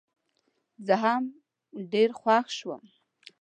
زه هم ډېر خوښ شوم.